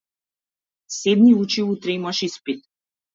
Седни учи, утре имаш испит.